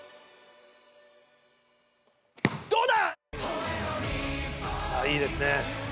どうだ！？